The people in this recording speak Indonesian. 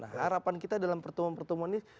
nah harapan kita dalam pertemuan pertemuan ini